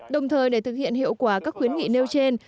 đồng thời để thực hiện hiệu quả các khuyến nghị nêu trên